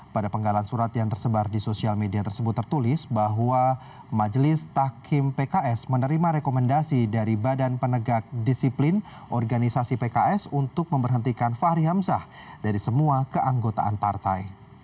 pada penggalan surat yang tersebar di sosial media tersebut tertulis bahwa majelis tahkim pks menerima rekomendasi dari badan penegak disiplin organisasi pks untuk memberhentikan fahri hamzah dari semua keanggotaan partai